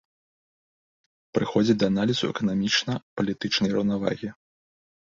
Прыходзяць да аналізу эканамічна-палітычнай раўнавагі.